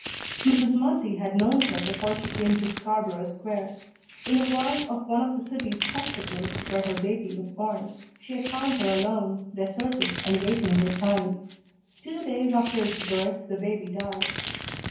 Mrs. Mundy had known her before she came to Scarborough Square. In a ward of one of the city's hospitals, where her baby was born, she had found her alone, deserted, and waiting her time. Two days after its birth the baby died.